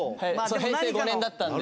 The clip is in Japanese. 平成５年だったので。